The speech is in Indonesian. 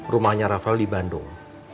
rumahnya raphael di bandung